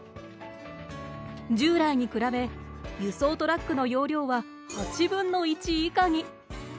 従来に比べ輸送トラックの容量は８分の１以下に。